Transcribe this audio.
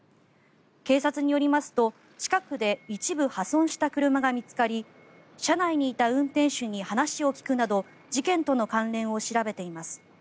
警察によりますと近くで一部破損した車が見つかり車内にいた運転手に話を聞くなど事件との関連を調べています。